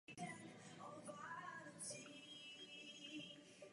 Stala se jeho milenkou a získala tak přístup do vyšší společnosti.